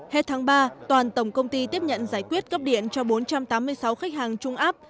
hết tháng ba toàn tổng công ty tiếp nhận giải quyết cấp điện cho bốn trăm tám mươi sáu khách hàng trung áp